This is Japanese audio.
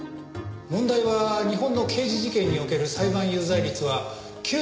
問題は日本の刑事事件における裁判有罪率は９９．９パーセント。